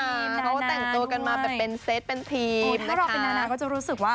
เมื่อจ้างเป็นนานาเขาก็จะรู้สึกว่า